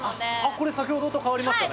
これ先ほどと変わりましたね。